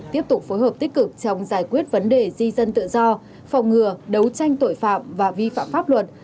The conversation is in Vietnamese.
tiếp tục phối hợp tích cực trong giải quyết vấn đề di dân tự do phòng ngừa đấu tranh tội phạm và vi phạm pháp luật